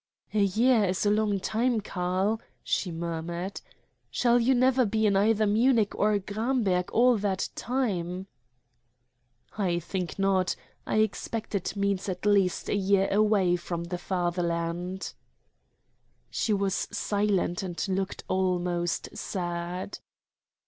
"A year is a long time, Karl," she murmured. "Shall you never be in either Munich or Gramberg all that time?" "I think not. I expect it means at least a year away from the Fatherland." She was silent and looked almost sad.